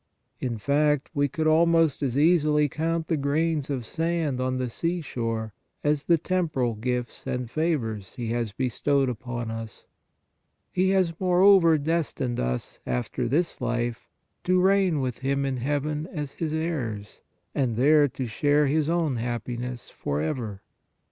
In fact, we could almost as easily count the grains of sand on the sea shore as the temporal gifts and favors He has bestowed upon us. He has, more over, destined us after this life to reign with Him in heaven as His heirs and there to share His own happiness forever.